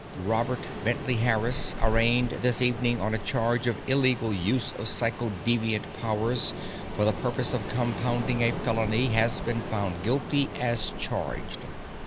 Robert Bentley Harris, arraigned this evening on a charge of illegal use of psychodeviant powers for the purpose of compounding a felony, has been found guilty as charged.